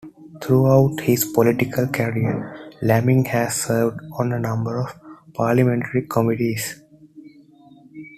Throughout his political career, Laming has served on a number of parliamentary committees.